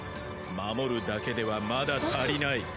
守るだけではまだ足りない。